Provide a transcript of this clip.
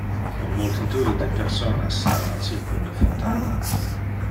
Un multitude de personas stava circum le fontana.